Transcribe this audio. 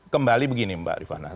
kembali begini mbak rifan